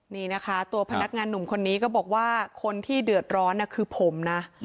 นี่นะคะตัวพนักงานหนุ่มคนนี้ก็บอกว่าคนที่เดือดร้อนคือผมนะ